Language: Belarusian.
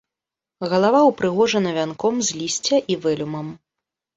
Галава ўпрыгожана вянком з лісця і вэлюмам.